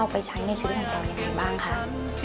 ไปใช้ในชีวิตของเจ้านะครับ